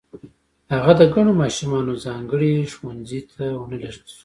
هغه د کڼو ماشومانو ځانګړي ښوونځي ته و نه لېږل شو